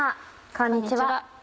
こんにちは。